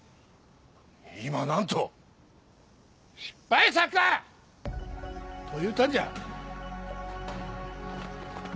今何と⁉失敗作！と言うたんじゃ。